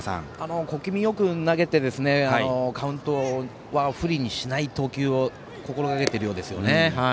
小気味よく投げてカウント不利にしない投球を心がけているようですよね。